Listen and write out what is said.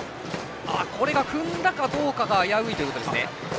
これが踏んだかどうかが危ういというところですね。